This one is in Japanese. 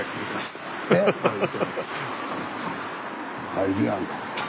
入るやんか。